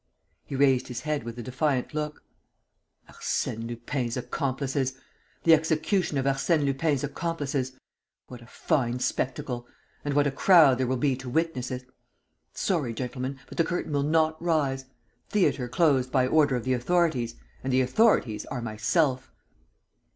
He raised his head with a defiant look. "Arsène Lupin's accomplices! The execution of Arsène Lupin's accomplices! What a fine spectacle! And what a crowd there will be to witness it! Sorry, gentlemen, but the curtain will not rise. Theatre closed by order of the authorities. And the authorities are myself!"